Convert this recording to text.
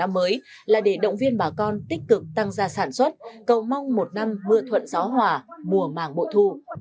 mới là để động viên bà con tích cực tăng ra sản xuất cầu mong một năm mưa thuận gió hòa mùa màng bội thu